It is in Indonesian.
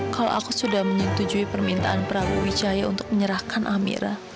kalau aku sudah menyetujui permintaan prawijaya untuk menyerahkan amira